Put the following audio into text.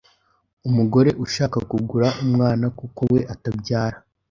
umugore ushaka kugura umwana kuko we atabyara